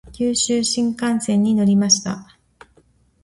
九州新幹線に乗りました。